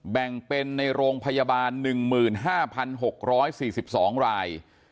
แบ่งเป็นในโรงพยาบาล๑๕๖๔๒ราย